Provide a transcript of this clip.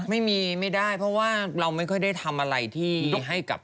ไม่ได้เพราะว่าเราไม่ค่อยได้ทำอะไรที่ให้กับ